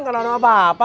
gak naruh apa apa